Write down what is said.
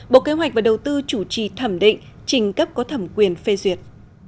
bộ kế hoạch và đầu tư chủ trì thẩm định trình cấp có thẩm quyền phê duyệt